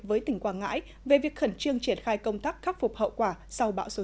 với tỉnh quảng ngãi về việc khẩn trương triển khai công tác khắc phục hậu quả sau bão số chín